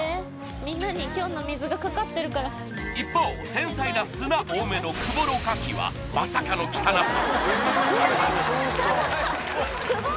繊細な砂多めの久保ろ過器はまさかの汚さ